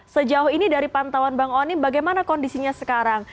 sejauh ini dari pantauan bang onim bagaimana kondisinya sekarang